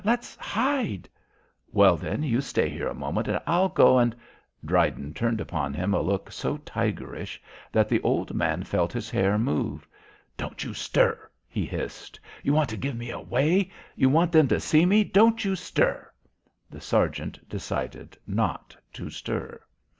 Let's hide " "Well, then you stay here a moment and I'll go and " Dryden turned upon him a look so tigerish that the old man felt his hair move. "Don't you stir," he hissed. "You want to give me away. You want them to see me. Don't you stir." The sergeant decided not to stir.